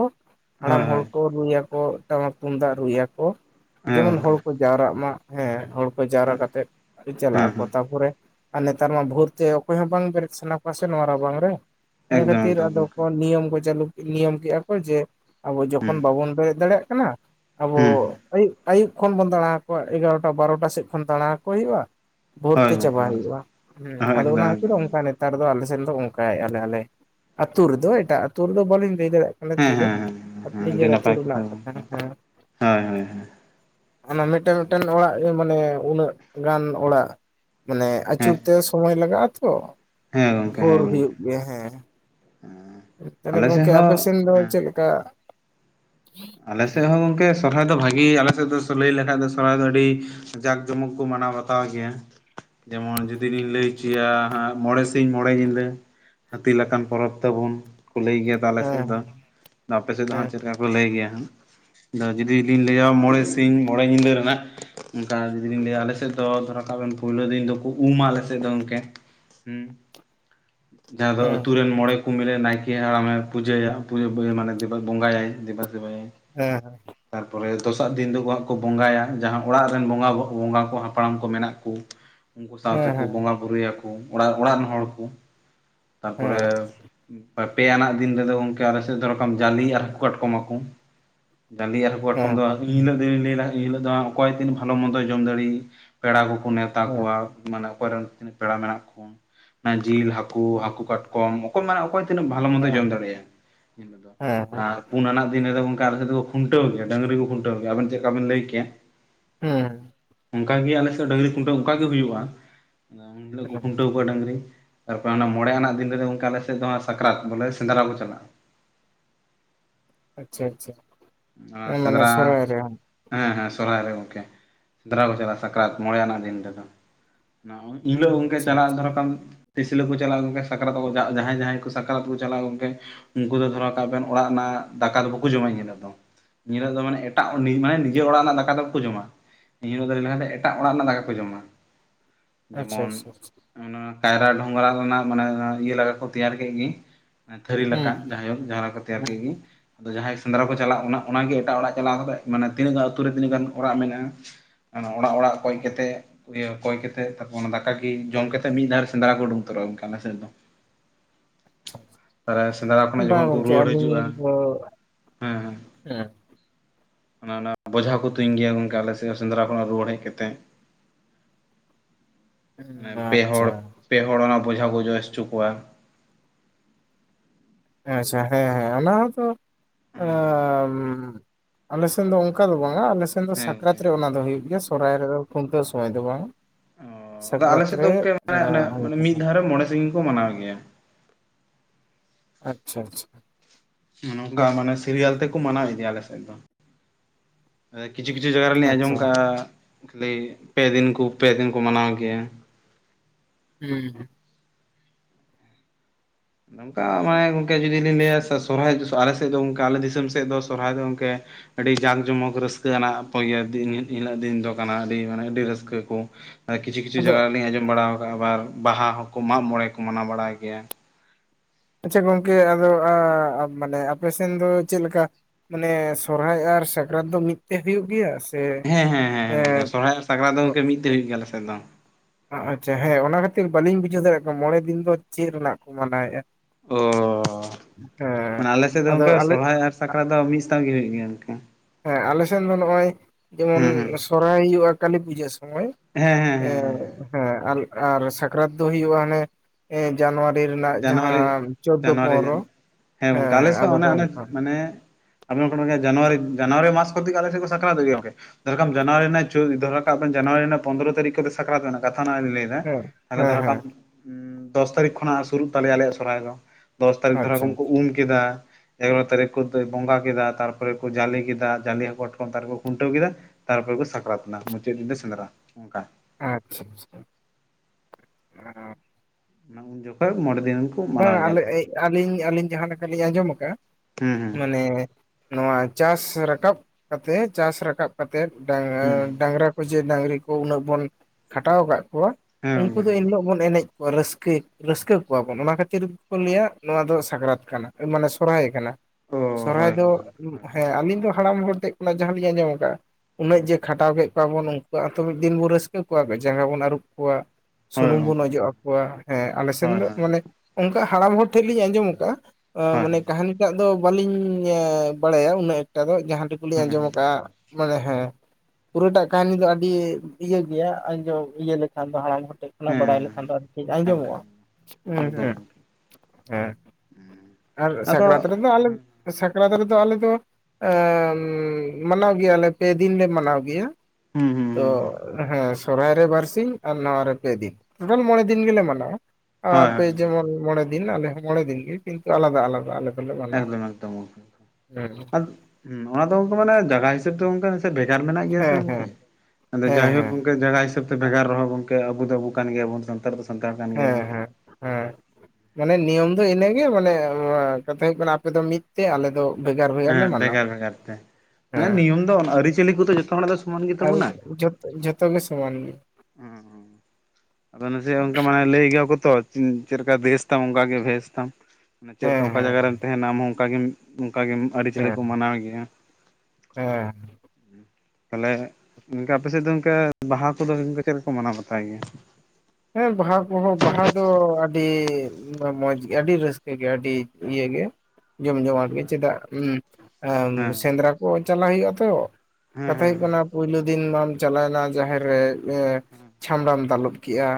ᱦᱳᱭ ᱦᱟᱲᱟᱢ ᱦᱚᱲ ᱦᱳᱭ ᱠᱚ ᱨᱩᱭᱟ ᱠᱚ ᱴᱟᱢᱟᱠ ᱛᱩᱢᱫᱟᱜ ᱨᱩᱭᱟ ᱠᱚ, ᱦᱮᱸ ᱡᱮᱢᱚᱱ ᱜᱚᱢᱠᱮ ᱦᱚᱲ ᱠᱚ ᱡᱟᱣᱨᱟᱜ ᱢᱟ ᱦᱮᱸ ᱦᱚᱲ ᱠᱚ ᱡᱟᱣᱨᱟ ᱠᱟᱛᱮᱫ ᱪᱟᱞᱟᱜ ᱦᱮᱸ ᱟᱠᱚ, ᱦᱮᱸ ᱛᱟᱯᱚᱨᱮ ᱟᱨ ᱱᱮᱛᱟᱨ ᱢᱟ ᱵᱷᱳᱨ ᱛᱮ ᱚᱠᱚᱭ ᱦᱚᱸ ᱵᱟᱝ ᱵᱮᱨᱮᱫ ᱥᱟᱱᱟ ᱠᱚᱣᱟ ᱥᱮ ᱱᱚᱣᱟ ᱨᱟᱵᱟᱝ ᱨᱮ ᱾ ᱤᱱᱟᱹ ᱮᱠᱫᱚᱢ ᱠᱷᱟᱹᱛᱤᱨ ᱮᱠᱫᱚᱢ ᱟᱫᱚ ᱜᱚᱢᱠᱮ ᱠᱚ ᱱᱤᱭᱚᱢ ᱠᱚ ᱪᱟᱹᱞᱩ ᱱᱤᱭᱚᱢ ᱠᱮᱫᱮᱜᱼᱟ ᱠᱚ ᱡᱮ ᱟᱵᱚ ᱦᱩᱸ ᱡᱚᱠᱷᱚᱱ ᱵᱟᱵᱚᱱ ᱵᱮᱨᱮᱫ ᱫᱟᱲᱮᱭᱟᱜ ᱠᱟᱱᱟ ᱟᱵᱚ ᱦᱩᱸ ᱟᱹᱭᱩᱵ ᱟᱹᱭᱩᱵ ᱠᱷᱚᱱ ᱵᱚᱱ ᱫᱟᱬᱟ ᱟᱠᱚᱣᱟ ᱮᱜᱟᱨᱚᱴᱟ ᱵᱟᱨᱚᱴᱟ ᱥᱮᱫ ᱠᱷᱚᱱ ᱫᱟᱬᱟ ᱟᱠᱚ ᱦᱩᱭᱩᱜᱼᱟ ᱾ ᱵᱷᱳᱨ ᱦᱳᱭ ᱛᱮ ᱜᱚᱢᱠᱮ ᱪᱟᱵᱟ ᱦᱩᱭᱩᱜᱼᱟ, ᱦᱳᱭ ᱦᱩᱸ ᱟᱫᱚ ᱚᱱᱟ ᱮᱠᱫᱚᱢ ᱠᱷᱟᱹᱛᱤᱨ ᱮᱠᱫᱚᱢ ᱚᱱᱠᱟ ᱱᱮᱛ ᱛᱟᱨ ᱫᱚ ᱟᱞᱮ ᱥᱮᱱ ᱫᱚ ᱚᱝᱠᱟᱭᱮᱜᱼᱟᱞᱮ ᱟᱞᱮ ᱟᱹᱛᱩ ᱨᱮᱫᱚ ᱮᱴᱟᱜ ᱟᱹᱛᱩ ᱨᱮᱫᱚ ᱵᱟᱞᱤᱧ ᱞᱟᱹᱭ ᱫᱟᱲᱮᱭᱟᱜ ᱚᱱᱮ ᱦᱮᱸ ᱛᱤᱨᱮ ᱦᱮᱸ ᱦᱮᱸ ᱟᱛ ᱦᱮᱸ ᱟᱹᱰᱤ ᱱᱤᱡᱮᱨ ᱟᱛᱩ ᱱᱟᱯᱟᱭ ᱨᱮᱱᱟᱜ ᱠᱟᱛᱷᱟ ᱜᱚᱢᱠᱮ ᱠᱟᱱᱟ ᱦᱮᱸ, ᱦᱳᱭ ᱦᱳᱭ ᱦᱮᱸ ᱚᱱᱟ ᱢᱤᱫᱴᱟᱝ ᱢᱤᱫᱴᱮᱱ ᱚᱲᱟᱜ ᱜᱮ ᱢᱟᱱᱮ ᱩᱱᱟᱹᱜ ᱜᱟᱱ ᱚᱲᱟᱜ ᱢᱟᱱᱮ ᱟᱹᱪᱩᱨ ᱛᱮ ᱦᱮᱸ ᱥᱚᱢᱚᱭ ᱞᱟᱜᱟᱜᱼᱟ ᱛᱚ ᱾ ᱜᱚᱢᱠᱮ ᱵᱷᱳᱨ ᱦᱮᱸ ᱦᱩᱭᱩᱜ ᱜᱚᱢᱠᱮ ᱜᱮᱭᱟ ᱦᱮᱸ, ᱛᱟᱦᱚᱞᱮ ᱟᱞᱮ ᱥᱮᱫ ᱜᱚᱝᱠᱮ ᱦᱚᱸ ᱟᱯᱮ ᱥᱮᱱ ᱫᱚ ᱦᱮᱸ ᱪᱮᱫ ᱠᱟ ᱟᱞᱮ ᱥᱮᱫ ᱦᱚᱸ ᱜᱚᱝᱠᱮ ᱥᱚᱨᱦᱟᱭ ᱫᱚ ᱵᱷᱟᱜᱮ ᱟᱞᱮ ᱥᱮᱫ ᱫᱚ ᱞᱟᱹᱭ ᱞᱮᱠᱷᱟᱡ ᱫᱚ ᱥᱚᱨᱦᱟᱭ ᱫᱚ ᱟᱹᱰᱤ ᱡᱟᱠ ᱡᱚᱢᱚᱠ ᱠᱚ ᱢᱟᱱᱟᱣ ᱵᱟᱛᱟᱣ ᱜᱮᱭᱟ ᱾ ᱡᱮᱢᱚᱱ ᱡᱩᱫᱤ ᱞᱤᱧ ᱞᱟᱹᱭ ᱦᱚᱪᱚᱭᱟ ᱦᱟᱸᱜ ᱢᱚᱬᱮ ᱥᱤᱧ ᱢᱚᱬᱮ ᱧᱤᱫᱟᱹ ᱾ ᱦᱟᱹᱛᱤ ᱞᱮᱠᱟᱱ ᱯᱚᱨᱚᱵᱽ ᱛᱟᱵᱚᱱ ᱠᱚ ᱞᱟᱹᱭ ᱜᱮᱭᱟ ᱟᱞᱮ ᱥᱮᱫ ᱦᱮᱸ ᱫᱚ, ᱟᱫᱚ ᱟᱯᱮ ᱥᱮᱫ ᱫᱚ ᱦᱮᱸ ᱦᱟᱸᱜ ᱪᱮᱫ ᱞᱮᱠᱟ ᱠᱚ ᱞᱟᱹᱭ ᱜᱮᱭᱟ? ᱟᱫᱚ ᱡᱩᱫᱤ ᱞᱤᱧ ᱞᱟᱹᱭᱟ ᱢᱚᱬᱮ ᱥᱤᱧ ᱢᱚᱬᱮ ᱧᱤᱫᱟᱹ ᱨᱮᱱᱟᱜ ᱚᱝᱠᱟ ᱡᱩᱫᱤ ᱵᱤᱧ ᱞᱟᱹᱭᱟ ᱟᱞᱮ ᱥᱮᱫ ᱫᱚ ᱫᱷᱚᱨᱟ ᱠᱟᱜ ᱵᱮᱱ ᱯᱳᱭᱞᱳ ᱫᱤᱱ ᱫᱚᱠᱚ ᱩᱢᱟ ᱟᱞᱮ ᱥᱮᱫ ᱫᱚ ᱜᱚᱝᱠᱮ ᱾ ᱦᱩᱸ, ᱡᱟᱦᱟᱸ ᱫᱚ ᱟᱛᱩ ᱦᱮᱸ ᱨᱮᱱ ᱢᱚᱬᱮ ᱩᱢ ᱢᱤᱞᱟᱹᱜ ᱱᱟᱭᱠᱮ ᱦᱟᱲᱟᱢᱮ ᱯᱩᱡᱟᱹᱭᱟ, ᱯᱩᱡᱟᱹ ᱯᱩᱡᱟᱹ ᱢᱟᱱᱮ ᱫᱮᱵᱟ ᱵᱚᱸᱜᱟ ᱭᱟᱭ ᱫᱮᱵᱟ ᱥᱮᱵᱟᱭᱟᱭ ᱾ ᱦᱮᱸ ᱦᱮᱸ ᱾ ᱛᱟᱨᱯᱚᱨᱮ ᱫᱚᱥᱟᱨ ᱫᱤᱱ ᱫᱚᱠᱚ ᱦᱟᱸᱜ ᱠᱚ ᱵᱚᱸᱜᱟᱭᱟ ᱡᱟᱦᱟᱸ ᱚᱲᱟᱜ ᱨᱮᱱᱜᱟ ᱵᱚᱸᱜᱟ ᱜᱚᱜ ᱵᱚᱸᱜᱟ ᱠᱚ ᱦᱟᱯᱲᱟᱢ ᱠᱚ ᱢᱮᱱᱟᱜ ᱠᱚ ᱾ ᱩᱝᱠᱩ ᱥᱟᱶ ᱦᱮᱸ ᱛᱮᱠᱚ ᱦᱮᱸ ᱵᱚᱸᱜᱟ ᱵᱩᱨᱩᱭᱟᱠᱚ ᱚᱲᱟᱜ ᱚᱲᱟᱜ ᱨᱮᱱ ᱦᱚᱲ ᱠᱚ, ᱛᱟᱨᱯᱚᱨᱮ ᱦᱮᱸ ᱯᱮ-ᱯᱮ ᱟᱱᱟᱜ ᱫᱤᱱ ᱨᱮᱫᱚ ᱜᱚᱝᱠᱮ ᱟᱞᱮ ᱥᱮᱫ ᱨᱚᱠᱚᱢ ᱡᱟᱞᱤ ᱟᱨ ᱦᱟᱹᱠᱩ ᱠᱟᱴᱠᱚᱢ ᱟᱠᱚ ᱾ ᱰᱟᱹᱞᱤ ᱟᱨ ᱦᱟᱠᱩ ᱠᱟᱴᱠᱚᱢ ᱫᱚ ᱦᱮᱸ ᱦᱟᱜ ᱮᱱ ᱦᱤᱞᱳᱜ ᱫᱚᱧ ᱞᱟᱹᱭ ᱫᱟ ᱤᱱ ᱦᱤᱞᱳᱜ ᱫᱚ ᱦᱟᱜ ᱚᱠᱚᱭ ᱛᱤᱱ ᱵᱷᱟᱞᱚ ᱢᱚᱱᱫᱚᱭ ᱡᱚᱢ ᱫᱟᱲᱮ ᱯᱮᱲᱟ ᱠᱚ ᱠᱚ ᱱᱮᱣᱛᱟ ᱦᱮᱸ ᱠᱚᱣᱟ ᱾ ᱢᱟᱱᱮ ᱚᱠᱚᱭ ᱨᱮᱱ ᱛᱤᱱᱟᱹᱜ ᱯᱮᱲᱟ ᱢᱮᱱᱟᱜ ᱠᱚ, ᱚᱱᱮ ᱡᱤᱞ ᱦᱟᱹᱠᱩ ᱦᱮᱸ ᱦᱟᱹᱠᱩ ᱠᱟᱴᱠᱚᱢ ᱚᱠᱚᱭ ᱢᱟᱱᱮ ᱚᱠᱚᱭ ᱛᱤᱱᱟᱹᱜ ᱵᱷᱟᱞᱚ ᱢᱚᱱᱫᱚᱭ ᱡᱚᱢ ᱫᱟᱲᱮᱭᱟᱜᱼᱟ ᱤᱱ ᱦᱤᱞᱚᱜ ᱫᱚ ᱦᱮᱸ ᱟᱨ ᱯᱩᱱ ᱟᱱᱟᱜ ᱫᱤᱱ ᱨᱮᱫᱚ ᱜᱚᱝ ᱟᱞᱮ ᱥᱮᱫ ᱫᱚ ᱠᱚ ᱠᱷᱩᱱᱴᱟᱹᱣ ᱜᱮᱭᱟ᱾ ᱰᱟᱜᱽᱨᱤ ᱠᱚ ᱠᱷᱩᱱᱴᱟᱹᱣ ᱠᱮᱭᱟ ᱾ ᱟᱵᱮᱱ ᱪᱮᱫ ᱞᱮᱠᱟ ᱵᱤᱱ ᱞᱟᱹᱭ ᱠᱮᱫ [unintelligible] ᱦᱩᱸ ᱩᱸ [unintelligible] ᱚᱱᱠᱟ ᱜᱮ ᱟᱞᱮ ᱥᱮᱫ ᱰᱟᱹᱜᱽᱨᱤ ᱠᱷᱩᱱᱴᱟᱹᱣ ᱚᱱᱠᱟᱜ ᱜᱮ ᱦᱩᱭᱩᱜᱼᱟ᱾ ᱩᱱ ᱦᱤᱞᱳᱜ ᱠᱚ ᱦᱮᱸ ᱠᱷᱩᱱᱴᱟᱹᱣ, ᱠᱚᱣᱟ ᱰᱟᱹᱜᱽᱨᱤ ᱛᱟᱨᱯᱚᱨ ᱚᱱᱟ ᱢᱚᱬᱮᱸ ᱟᱱᱟᱜ ᱫᱤᱱ ᱨᱮᱫᱚ ᱚᱱᱠᱟ᱾ ᱟᱞᱮ ᱥᱮᱫ ᱫᱚ ᱦᱟᱸᱜ ᱥᱟᱠᱨᱟᱛ ᱵᱚᱞᱮ ᱥᱮᱸᱫᱽᱨᱟ ᱠᱚ ᱪᱟᱞᱟᱜᱼᱟ᱾ ᱟᱪᱪᱷᱟ ᱟᱪᱪᱷᱟ ᱚᱱᱟ ᱢᱟᱱᱮ ᱥᱮᱸᱫᱽᱨᱟ ᱥᱚᱨᱚᱦᱟᱭ ᱨᱮᱦᱚᱸ᱾ ᱦᱮᱸ ᱦᱮᱸ ᱥᱚᱦᱨᱟᱭ ᱨᱮ ᱜᱚᱝᱠᱮ ᱥᱮᱸᱫᱽᱨᱟ ᱠᱚ ᱪᱟᱞᱟᱜᱼᱟ᱾ ᱥᱟᱠᱨᱟᱛ ᱢᱚᱬᱮᱸ ᱟᱱᱟᱜ ᱫᱤᱱ ᱨᱮᱫᱚ᱾ ᱱᱚ ᱮᱱ ᱦᱤᱞᱳᱜ ᱜᱚᱝᱠᱮ ᱟᱪᱪᱷᱟ ᱪᱟᱞᱟᱜᱼᱟ᱾ ᱟᱪᱪᱷᱟ ᱫᱷᱚᱨᱚ ᱠᱟᱢ ᱛᱤᱥ ᱦᱤᱞᱟᱹᱜ ᱠᱚ ᱪᱟᱞᱟᱜᱼᱟ᱾ ᱜᱚᱝᱠᱮ ᱥᱟᱠᱨᱟᱛ ᱠᱚ ᱡᱟᱦᱟᱸᱭ ᱡᱟᱦᱟᱸᱭ ᱠᱚ ᱥᱟᱠᱨᱟᱛ ᱠᱚ ᱪᱟᱞᱟᱜᱼᱟ᱾ ᱜᱚᱝᱠᱮ ᱩᱱᱠᱩ ᱫᱚ ᱫᱷᱚᱨᱟ ᱠᱟᱜ ᱵᱮᱱ, ᱚᱲᱟᱜ ᱨᱮᱱᱟᱜ ᱫᱟᱠᱟ ᱫᱚ ᱵᱟᱠᱚ ᱡᱚᱢᱟ ᱤᱱᱦᱞᱳᱜ ᱫᱚ᱾ ᱱᱤᱭᱟ ᱫᱷᱟᱣ ᱫᱚ ᱢᱟᱱᱮ ᱮᱴᱟᱜ ᱢᱟᱱᱮ ᱱᱤᱡᱮᱨ ᱚᱲᱟᱜ ᱨᱮᱱᱟᱜ ᱫᱟᱠᱟ ᱫᱚ ᱵᱟᱠᱚ ᱡᱚᱢᱟ᱾ ᱧᱤᱨᱚᱜ ᱫᱟᱨᱮ ᱞᱮᱱᱠᱷᱟᱱ ᱮᱴᱟᱜ ᱚᱲᱟᱜ ᱨᱮᱱᱟᱜ ᱫᱟᱠᱟ ᱠᱚ ᱡᱚᱢᱟ᱾ ᱟᱪᱪᱷᱟ ᱡᱮᱢᱚᱱ ᱟᱪᱪᱷᱟ ᱚᱱᱟ ᱠᱟᱭᱨᱟ ᱰᱷᱚᱸᱜᱨᱟ ᱨᱮᱱᱟᱜ, ᱢᱟᱱᱮ ᱤᱭᱟᱹ ᱞᱮᱠᱟ ᱠᱚ ᱛᱮᱭᱟᱨ ᱠᱮᱫ ᱜᱮ ᱛᱷᱟᱹᱨᱤ ᱞᱮᱠᱟ ᱦᱮᱸ ᱡᱟᱭ ᱦᱳᱠ ᱡᱟᱦᱟᱸ ᱠᱚ ᱛᱮᱭᱟᱨ, ᱠᱮᱫ ᱜᱮ ᱟᱫᱚ ᱡᱟᱦᱟᱸᱭ ᱥᱮᱸᱫᱽᱨᱟ ᱠᱚ ᱪᱟᱞᱟᱜ ᱚᱱᱟ᱾ ᱚᱱᱟ ᱜᱮ ᱮᱴᱟᱜ ᱚᱲᱟᱜ ᱪᱟᱞᱟᱣ ᱠᱟᱛᱮᱜ, ᱢᱟᱱᱮ ᱛᱤᱱᱟᱹᱜ ᱜᱟᱱ ᱟᱹᱛᱩ ᱨᱮ ᱛᱤᱱᱟᱹᱜ ᱜᱟᱱ ᱚᱲᱟᱜ ᱢᱮᱱᱟᱜᱼᱟ᱾ ᱚᱲᱟᱜ ᱚᱲᱟᱜ ᱠᱚᱭ ᱠᱟᱛᱮᱫ᱾ ᱤᱭᱟᱹ ᱠᱚᱭ ᱠᱟᱛᱮᱫ ᱛᱟᱨᱯᱚᱨ ᱚᱱᱟ ᱫᱟᱠᱟ ᱜᱮ ᱡᱚᱢ ᱠᱟᱛᱮᱫ, ᱢᱤᱫ ᱫᱣ ᱥᱮᱸᱫᱽᱨᱟ ᱠᱚ ᱩᱰᱩᱝ ᱩᱛ. ᱨᱚᱜᱼᱟ ᱾ᱟᱞᱮ ᱥᱮᱫ ᱫᱚ᱾ ᱛᱟᱦᱮ ᱥᱮᱸᱫᱽᱨᱟ ᱦᱮᱸ ᱠᱷᱚᱱᱟᱜ ᱵᱟᱝ ᱡᱚᱠᱷᱚᱱ ᱠᱚ ᱜᱚᱝᱠᱮ ᱨᱩᱣᱟᱹᱲ ᱦᱤᱡᱩᱜᱼᱟ᱾ ᱟᱹᱞᱤᱧ ᱫᱚ ᱦᱮᱸ ᱦᱸ ᱦᱮᱸ ᱚᱱᱟ ᱵᱚᱡᱷᱟ ᱦᱚᱸ ᱠᱚ ᱛᱩᱧ ᱜᱮᱭᱟ᱾ ᱜᱚᱝᱠᱮ ᱟᱞᱮ ᱥᱮᱸᱫᱽᱨᱟ ᱠᱷᱚᱱᱟᱜ ᱨᱩᱣᱟᱹᱲ ᱦᱮᱡ ᱠᱟᱛᱮᱫ᱾ ᱯᱮ ᱟᱪᱪᱷᱟ ᱦᱚᱲ ᱯᱮ ᱦᱚᱲ ᱨᱮᱱᱟᱜ ᱵᱚᱡᱷᱟ ᱠᱚ ᱡᱚᱭᱥ ᱦᱚᱪᱚᱸ ᱠᱚᱣᱟ᱾ ᱟᱪᱪᱷᱟ ᱦᱮᱸ ᱦᱮᱸ ᱚᱱᱟ ᱦᱚᱸᱛᱚ᱾ ᱦᱮᱸ ᱦᱮᱸ ᱮᱸ ᱟᱞᱮᱥᱮᱱ ᱫᱚ ᱚᱱᱠᱟ ᱫᱚ ᱵᱟᱝ ᱟᱞ ᱫᱚ ᱦᱮᱸ ᱥᱟᱠᱨᱟᱛ ᱜᱚᱢᱠᱮ ᱨᱮ ᱚᱱᱟ ᱫᱚ ᱦᱩᱭᱩᱜ ᱜᱮᱭᱟ᱾ ᱥᱚᱨᱦᱟᱭ ᱨᱮᱫᱚ ᱠᱷᱩᱱᱴᱹᱣ ᱥᱚᱢᱚᱭ ᱫᱚ ᱵᱟᱝ? ᱚ ᱟᱫᱚ ᱟᱞᱮ ᱥᱟᱠᱨᱟᱛ ᱥᱮᱫ ᱫᱚ ᱨᱮ ᱚᱱᱠᱟ ᱟᱸ, ᱦᱩᱭᱩᱜ ᱢᱤᱫ ᱠᱟᱱᱟ। ᱫᱷᱟᱣ ᱢᱚᱬᱮᱸ ᱥᱤᱝ ᱠᱚ ᱢᱟᱱᱟᱣ ᱜᱮᱭᱟ᱾ ᱟᱪᱪᱷᱼᱟ ᱟᱪᱪᱷᱼᱟ᱾ ᱱᱚᱝᱠᱟ ᱢᱟᱱᱮ ᱥᱤᱨᱤᱭᱟᱞ ᱛᱮᱠᱚ ᱢᱟᱱᱟᱣ ᱤᱫᱤᱭᱟ ᱟᱞᱮ ᱥᱮᱫ ᱫᱚ᱾ ᱠᱤᱪᱷᱩ ᱦᱩᱸ, ᱠᱤᱪᱷᱩ ᱡᱟᱭᱜᱟ ᱨᱮᱞᱤᱧ ᱟᱸᱡᱚᱢ ᱟᱪᱪᱷᱟ ᱠᱟᱜᱼᱟ ᱾ ᱯᱮ ᱫᱤᱱ ᱠᱚ ᱯᱮᱫᱤᱱ ᱠᱚ ᱢᱟᱱᱟᱣ ᱜᱮᱭᱟ᱾ ᱦᱩᱸ ᱱᱚᱝᱠᱟ ᱢᱟᱱᱮ ᱜᱚᱝᱠᱮ ᱡᱩᱫᱤ ᱞᱤᱧ ᱞᱟᱹᱭᱟ ᱾ ᱥᱚᱨᱦᱟᱭ ᱟᱞᱮ ᱥᱮᱫ ᱫᱚ ᱚᱱᱠᱟ, ᱟᱞᱮ ᱫᱤᱥᱚᱢ ᱥᱮᱫ ᱫᱚ ᱥᱚᱨᱦᱟᱭ ᱫᱚ ᱜᱚᱝᱠᱮ ᱟᱹᱰᱤ ᱡᱟᱠ ᱡᱚᱢᱚᱠ ᱨᱟᱹᱥᱠᱟᱹ ᱠᱟᱱᱟ, ᱚᱠᱭᱟ ᱮᱤᱞᱜ ᱫᱤᱱ ᱫᱚ ᱠᱟᱱᱟ ᱟᱹᱰᱤ ᱢᱟᱱᱮ ᱟᱹᱰᱤ ᱨᱟᱹᱥᱠᱟᱹ ᱠᱚ᱾ ᱠᱤᱪᱷᱩ - ᱠᱤᱪᱷᱩ ᱟᱫᱚ ᱡᱟᱭᱜᱟ ᱨᱮᱞᱤᱧᱸ ᱟᱡᱚᱢ ᱵᱟᱲᱟᱟᱣ ᱟᱠᱟᱫᱼᱟ᱾ ᱟᱵ ᱵᱟᱦᱟ ᱦᱚᱸᱠᱚ ᱢᱟᱜᱽ ᱢᱚᱬᱮᱸ ᱠᱚ ᱢᱟᱱᱟᱣ ᱵᱟᱲᱟᱭ ᱜᱮᱭᱟ᱾ ᱟᱪᱪᱷᱼᱟ ᱜᱚᱝᱠᱮ ᱟᱫᱚ ᱢᱟᱱᱮ ᱟᱯᱮ ᱥᱮᱱ ᱫᱚ ᱪᱮᱫ ᱞᱮᱠᱟ᱾ ᱚᱱᱮ ᱥᱚᱨᱦᱟᱭ ᱟᱨ ᱥᱟᱠᱨᱟᱛ ᱫᱚ ᱢᱤᱫ ᱛᱮ ᱦᱩᱭᱩᱜ ᱜᱮᱭᱟ᱾ ᱥᱮ ᱦᱮᱸ ᱦᱮᱸ ᱮ ᱦᱮᱸ ᱥᱚᱨᱦᱟᱭ ᱟᱨ ᱥᱟᱠᱨᱟᱛ ᱫᱚ ᱜᱚᱝᱠᱮ ᱢᱤᱫ ᱛᱮ ᱦᱩᱭᱩᱜ ᱜᱮᱭᱟ᱾ ᱟᱞᱮᱥᱮᱫ ᱫᱚ ᱟᱪᱪᱷᱟ ᱦᱮᱸ ᱚᱱᱟ ᱠᱷᱟᱹᱛᱤᱨ ᱵᱟᱹᱞᱤᱧ ᱵᱩᱡᱷᱟᱹᱣ ᱫᱟᱲᱮᱭᱟ-ᱜ ᱠᱟᱱᱟ᱾ ᱢᱚᱬᱮᱸ ᱫᱤᱱ ᱫᱚ ᱪᱮᱫ ᱨᱮᱱᱟᱜ ᱠᱚ ᱢᱟᱱᱟᱣᱮᱼᱟ᱾ ᱚ ᱟᱞᱮ ᱥᱮᱫ ᱫᱚ ᱟᱫᱚ ᱚᱱᱠᱟ ᱟᱞᱮ ᱥᱚᱨᱦᱟᱭ ᱟᱨ ᱥᱟᱠᱨᱟᱛ ᱫᱚ ᱢᱤᱫ ᱥᱟᱶ ᱜᱮ ᱦᱩᱭᱩᱜ ᱜᱮᱭᱟ᱾ ᱦᱮᱸ ᱟᱞᱮ ᱥᱮᱱ ᱫᱚ ᱱᱚᱜᱼᱚᱭ ᱡᱮᱢᱚᱱ ᱦᱮᱸ ᱦᱮᱸ ᱥᱚᱨᱦᱟᱭ ᱦᱩᱭᱩᱜᱼᱟ ᱾ᱠᱟᱞᱤ ᱯᱩᱡᱟᱹ ᱥᱚᱢᱚᱭ᱾ ᱦᱮᱸ ᱦᱮᱸ ᱮ ᱦᱮᱸ ᱦᱮᱸ ᱟᱨ ᱟᱨ ᱥᱟᱠᱨᱟᱛ ᱫᱚ ᱦᱩᱭᱩᱜᱼᱟ᱾ ᱦᱟᱱᱮ ᱡᱟᱱᱣᱟᱨᱤ ᱨᱮᱱᱟᱜ ᱡᱟᱱᱩᱣᱟᱨᱤ ᱡᱟᱦᱟᱸ ᱪᱳᱫᱳ ᱡᱟᱱᱩᱣᱟᱨᱤ ᱯᱚᱱᱨᱚ ᱦᱮᱸ ᱜᱚᱝᱠᱮ ᱟᱞᱮ ᱥᱮᱫ ᱚᱱᱮ ᱚᱱᱮ ᱢᱟᱱᱮ ᱟᱞᱮ ᱡᱟᱱᱩᱣᱟᱨᱤ, ᱡᱟᱱᱩᱣᱟᱨᱤ ᱢᱟᱥ ᱠᱚ ᱛᱮ ᱥᱟᱠᱨᱟᱛ ᱦᱩᱭᱩᱼᱜ ᱡ ᱡᱟᱱᱩᱣᱟᱨᱤ ᱨᱮᱱᱟᱜ ᱟᱮᱱ ᱡᱟᱱᱩᱣᱟᱨᱤ ᱨᱮᱱᱟᱜ ᱾ᱯᱚᱱᱨᱚ ᱛᱟᱨᱤᱠᱷ ᱥᱟᱠᱨᱟᱛ ᱨᱮᱱᱟᱜᱱᱟ ᱠᱟᱛᱷᱟ ᱞᱟᱹᱭ᱾ ᱦᱮᱸ ᱛᱟᱦᱞᱮ ᱦᱮᱸ ᱫᱽᱷᱚᱨᱟ ᱠᱟ ᱦᱮᱸ ᱫᱚᱥ ᱛᱟᱹᱨᱤᱠᱷ ᱠᱷᱚᱱᱟᱜ ᱥᱩᱨᱩᱜ ᱛᱟᱞᱮᱭᱟ ᱟᱞᱮᱭᱟᱜ ᱥᱚᱨᱦᱟᱭ ᱫᱚ᱾ ᱫᱚᱥ ᱛᱟᱨᱤᱠᱷ ᱟᱪᱪᱷᱟ ᱫᱽᱷᱚᱨᱟᱢ ᱠᱚ ᱩᱢ ᱠᱮᱫᱟ᱾ ᱮᱜᱟᱨᱚ ᱛᱟᱨᱤᱠᱷ ᱠᱚ ᱵᱚᱸᱜᱟ ᱠᱮᱫᱟ ᱛᱟᱨᱯᱚᱨᱮ ᱠᱚ ᱡᱟᱞᱮ ᱠᱮᱫᱟ ᱡᱟᱞᱮ ᱯᱚᱨ ᱠᱚ ᱠᱷᱩᱱᱴᱟᱹᱣ ᱠᱮᱫᱟ᱾ ᱛᱟᱨᱯᱚᱨᱮ ᱠᱚ ᱥᱟᱠᱨᱟᱛ ᱮᱱᱟ ᱢᱩᱪᱮᱹᱫ ᱫᱤᱱ ᱫᱚ ᱥᱮᱸᱫᱽᱨᱟ ᱚᱝᱠᱟ᱾ [inaudible] ᱩᱱ ᱡᱚᱠᱷᱚᱱ ᱢᱚᱬᱮ ᱫᱤᱱ ᱠᱚ ᱵᱟᱝ ᱢᱟᱱᱟᱣ ᱜᱮᱭᱟ ᱟᱞᱮ ᱥᱮᱫ ᱟᱹᱞᱤᱧ ᱟᱹᱞᱤᱧ ᱡᱟᱦᱟ ᱞᱮᱠᱟᱞᱤᱧ ᱟᱸᱡᱚᱢ ᱟᱠᱟ-ᱟ ᱦᱩᱸ ᱦᱩᱸ ᱢᱟᱱᱮ ᱱᱚᱣᱟ ᱪᱟᱥ ᱨᱟᱠᱟᱵ ᱠᱟᱛᱮᱜ ᱪᱟᱥ ᱨᱟᱠᱟᱵ ᱠᱟᱛᱮ ᱰᱟᱝ ᱦᱩᱸ ᱰᱟᱝᱨᱟ ᱠᱚ ᱡᱮ ᱰᱟᱝᱨᱤ ᱠᱚ ᱩᱱᱟᱹᱜ ᱵᱚᱱ ᱠᱷᱟᱴᱟᱣ ᱠᱟᱜ ᱠᱚᱣᱟ ᱦᱮᱸ ᱩᱱᱠᱩ ᱜᱚᱝᱠᱮ ᱫᱚ ᱦᱮᱸ ᱮᱱᱦᱤᱞᱳᱜ ᱵᱚᱱ ᱮᱱᱮᱡ ᱨᱟᱹᱥᱠᱟᱹ ᱨᱟᱹᱥᱠᱟᱹ ᱠᱚᱣᱟᱵᱚᱱ ᱚᱱᱟ ᱠᱷᱟᱹᱛᱤᱨ ᱠᱚ ᱞᱟᱹᱭᱟ ᱱᱚᱣᱟ ᱫᱚ ᱥᱟᱠᱨᱟᱛ ᱠᱟᱱᱟ᱾ ᱢᱟᱱᱮ ᱥᱚᱨᱦᱟᱭ ᱠᱟᱱᱟ ᱚ ᱥᱚᱨᱦᱟᱭ ᱦᱳᱭ ᱦᱳᱭ ᱫᱚ ᱜᱚᱝᱠᱮ ᱦᱳᱭ ᱦᱮᱸ ᱟᱹᱞᱤᱧ ᱫᱚ ᱦᱟᱲᱟᱢ ᱦᱚᱲ ᱴᱷᱮᱱ ᱚᱱᱟ ᱡᱟᱦᱟ ᱞᱤᱧ ᱟᱸᱡᱚᱢ ᱟᱠᱟ-ᱟ ᱩᱱᱟᱹᱜ ᱦᱮᱸ ᱡᱮ ᱠᱷᱟᱴᱟᱣ ᱠᱮᱫ ᱟᱵᱚ ᱩᱱᱠᱩᱣᱟᱜ [inaudible] ᱢᱤᱫ ᱫᱤᱱ ᱵᱚᱱ ᱨᱟᱹᱥᱠᱟᱹᱣ ᱠᱚᱣᱟ ᱡᱟᱸᱜᱟ ᱵᱚᱱ ᱟᱹᱨᱩᱵ ᱠᱚᱣᱟ᱾ ᱦᱳᱭ ᱥᱩᱱᱩᱢ ᱵᱚᱱ ᱜᱚᱝᱠᱮ ᱦᱳᱭ ᱚᱡᱚᱜ ᱟᱠᱚᱣ-ᱟ, ᱦᱮᱸ ᱟᱞᱮ ᱥᱮᱱ ᱦᱳᱭ ᱫᱚ ᱦᱳᱭ ᱢᱟᱱᱮ ᱚᱱᱠᱟ ᱦᱟᱲᱟᱢ ᱦᱚᱲ ᱴᱷᱮᱡ ᱞᱤᱞ ᱟᱱᱡᱚᱢ ᱠᱟᱜ-ᱟ ᱦᱳᱭ ᱢᱟᱱᱮ ᱠᱟᱦᱟᱱᱤ, ᱮᱴᱟᱜ ᱫᱚ ᱵᱟᱞᱤᱧ ᱵᱟᱲᱟᱭᱟ ᱩᱱᱟᱹᱜ ᱮᱠᱴᱟ ᱫᱚ ᱡᱟᱦᱟ ᱴᱩᱠᱩ ᱞᱤᱧ ᱟᱱᱡᱚᱢ ᱦᱮᱸ ᱠᱟᱜ-ᱟ᱾ ᱢᱟᱱᱮ ᱦᱮᱸ ᱯᱩᱨᱟᱹ ᱴᱟᱜ ᱠᱟᱹᱦᱚᱱᱤ ᱫᱚ ᱟᱹᱰᱤ ᱤᱭᱟᱹ ᱜᱮᱭᱟ ᱟᱡᱚᱢ ᱤᱭᱟᱹ ᱞᱮᱠᱷᱟᱱ ᱫᱚ ᱦᱟᱲᱟᱢ ᱦᱚᱲ [inaudible] ᱠᱷᱚᱱᱟᱜ ᱵᱟᱲᱟᱭ ᱦᱮᱸ ᱞᱮᱠᱷᱟᱱ ᱫᱚ ᱦᱮᱸ ᱮᱠᱫᱚᱢ ᱟᱸᱡᱚᱢᱚᱜ-ᱟ ᱮᱠᱫᱚᱢ ᱜᱚᱝᱠᱮ ᱦᱮ [inaudible] ᱟᱨ ᱟᱫᱚ ᱥᱟᱠᱨᱟᱛ ᱨᱮᱫᱚ ᱟᱞᱮ ᱦᱮᱸ ᱥᱟᱠᱨᱟᱛ ᱨᱮᱫᱚ ᱟᱞᱮ ᱫᱚ ᱢᱟᱱᱟᱣ ᱜᱮᱭᱟᱞᱮ ᱯᱮ ᱫᱤᱱ ᱞᱮ ᱢᱟᱱᱟᱣ ᱜᱮᱭᱟ᱾ ᱦᱩᱸ ᱦᱩᱸ, ᱛᱚ ᱦᱩᱸ ᱦᱮᱸ ᱥᱚᱨᱦᱟᱭ ᱨᱮ ᱵᱟᱨ ᱥᱤᱧ ᱟᱨ ᱱᱟᱣᱟ ᱨᱮ ᱯᱮ ᱫᱤᱱ ᱴᱳᱴᱟᱞ ᱢᱚᱬᱮ ᱫᱤᱱ ᱜᱮᱞᱮ ᱢᱟᱱᱟᱣ-ᱟ᱾ ᱦᱳᱭ ᱟᱯᱮ ᱦᱳᱭ ᱡᱮᱢᱚᱱ ᱢᱚᱬᱮ ᱫᱤᱱ ᱟᱞᱮ ᱦᱚᱸ ᱢᱚᱬᱮ ᱫᱤᱱ ᱜᱮ ᱠᱤᱱᱛᱩ ᱟᱞᱟᱫᱟ ᱟᱞᱟᱫᱟ ᱟᱞᱮ ᱫᱚ᱾ ᱮᱠᱫᱚᱢ ᱮᱠᱫᱚᱢ ᱜᱟᱝᱠᱮ, ᱱᱚᱣᱟ ᱫᱚ ᱚᱱᱠᱟ ᱢᱟᱱᱮ ᱡᱟᱭᱜᱟ ᱦᱤᱥᱟᱹᱵ ᱫᱚ ᱚᱱᱠᱟ ᱵᱷᱮᱜᱟᱨ ᱢᱮᱱᱟᱜ ᱜᱮᱭᱟ ᱦᱮᱸ ᱜᱚᱝᱠᱮ ᱦᱮᱸ ᱦᱮᱸ ᱡᱟᱭᱦᱳᱠ ᱦᱮᱸ ᱜᱚᱝᱠᱮ, ᱡᱟᱭᱜᱟ ᱦᱤᱥᱟᱹᱵ ᱛᱮ ᱵᱷᱮᱜᱟᱨ ᱨᱮᱦᱚᱸ ᱜᱚᱝᱠᱮ ᱟᱵᱚ ᱫᱚ ᱟᱵᱚ ᱠᱟᱱ ᱜᱮᱭᱟᱵᱚᱱ ᱥᱟᱱᱛᱟᱲ ᱫᱚ ᱥᱟᱱᱛᱟᱲ ᱠᱟᱱ ᱜᱮᱭᱟ ᱦᱮᱸ ᱵᱚᱱ᱾ ᱦᱮᱸ ᱦᱮᱸ, ᱢᱟᱱᱮ ᱱᱤᱭᱚᱢ ᱫᱚ ᱤᱱᱟᱹᱜᱮ ᱢᱟᱱᱮ ᱠᱟᱛᱷᱟ ᱦᱩᱭᱩᱜ ᱠᱟᱱᱟ ᱟᱯᱮ ᱫᱚ ᱢᱤᱫᱛᱮ, ᱟᱞᱮ ᱫᱚ ᱵᱷᱮᱜᱟᱨ ᱞᱮ ᱦᱮᱸ ᱢᱟᱱᱟᱣᱟ ᱵᱷᱮᱜᱟᱨ ᱵᱷᱮᱜᱟᱨ ᱛᱮ ᱢᱟᱱᱮ ᱦᱮᱸ ᱱᱤᱭᱚᱢ ᱫᱚ ᱟᱹᱨᱤᱪᱟᱹᱞᱤ ᱠᱚᱫᱚ ᱡᱷᱚᱛᱚ ᱦᱚᱲᱟᱜ ᱫᱚ ᱥᱚᱢᱟᱱ ᱜᱮᱛᱟ ᱵᱚᱱᱟ᱾ ᱡᱷᱚᱛᱚ ᱜᱮ ᱥᱚᱢᱟᱱ ᱜᱮ, [inaudible] ᱟᱫᱚ ᱱᱟᱥᱮ ᱚᱱᱠᱟ ᱢᱟᱱᱮ ᱞᱟᱹᱭ ᱜᱮᱭᱟ ᱠᱚ ᱛᱚ ᱪᱮᱫᱠᱟ ᱫᱮᱥ ᱛᱟᱢ ᱚᱱᱠᱮ ᱵᱷᱮᱥ ᱛᱟᱢ᱾ ᱢᱟᱱᱮ ᱪᱮᱫᱠᱟ ᱦᱮᱸ ᱚᱠᱟ ᱦᱮᱸ ᱡᱟᱭᱜᱟ ᱨᱮᱢ ᱛᱟᱦᱮᱱᱟ ᱟᱢᱦᱚ ᱚᱱᱠᱟ ᱜᱮᱢ ᱚᱱᱠᱟ ᱜᱮᱢ ᱟᱹᱨᱤᱪᱟᱹᱞᱤ ᱦᱮᱸ ᱠᱚ ᱢᱟᱱᱟᱣ ᱜᱮᱭᱟ᱾ ᱦᱮᱸ ᱛᱟᱦᱚᱞᱮ ᱤᱱᱠᱟ ᱟᱯᱮ ᱥᱮᱫ ᱫᱚ ᱤᱱᱠᱟ ᱵᱟᱦᱟ ᱠᱚᱫᱚ ᱪᱮᱫ ᱞᱮᱠᱟ ᱠᱚ ᱢᱟᱱᱟᱣ ᱵᱟᱛᱟᱣ ᱜᱮᱭᱟ? ᱦᱮᱸ ᱵᱟᱦᱟ ᱠᱚᱦᱚᱸ ᱵᱟᱦᱟ ᱫᱚ ᱟᱹᱰᱤ ᱢᱚᱡᱽ ᱜᱮ ᱟᱹᱰᱤ ᱨᱟᱹᱥᱠᱟᱹ ᱜᱮ ᱟᱹᱰᱤ ᱤᱭᱟᱹᱜᱮ ᱡᱚᱢ ᱡᱚᱢᱟᱴ ᱜᱮ ᱪᱮᱫᱟᱜ ᱦᱮᱸ, ᱮᱸ ᱦᱮᱸ ᱥᱮᱸᱫᱽᱨᱟ ᱠᱚ ᱪᱟᱞᱟᱜ ᱦᱩᱭᱩᱜ ᱟ ᱛᱚ ᱦᱮᱸ ᱠᱟᱛᱷᱟ ᱦᱮᱸ ᱦᱩᱭᱩᱜ ᱦᱮᱸ ᱠᱟᱱᱟ ᱯᱩᱭᱞᱩ ᱫᱤᱱ ᱢᱟᱢ ᱪᱟᱞᱟᱣᱱᱟ ᱡᱟᱦᱮᱨ ᱨᱮ ᱦᱮᱸ ᱪᱷᱟᱢᱰᱟᱢ ᱫᱟᱞᱚᱵ ᱠᱮᱜ-ᱟ